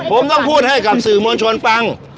ผมต้องพูดให้กับสื่อมวลชนฟัง